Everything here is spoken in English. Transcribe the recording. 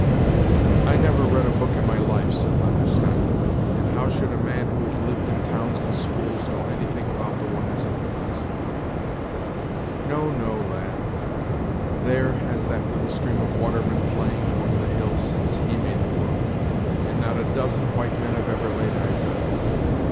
"I never read a book in my life," said Leather Stocking; "and how should a man who has lived in towns and schools know anything about the wonders of the woods? No, no, lad; there has that little stream of water been playing among the hills since He made the world, and not a dozen white men have ever laid eyes on it.